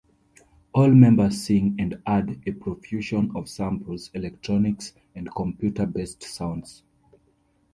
All members sing and add a profusion of samples, electronics, and computer-based sounds.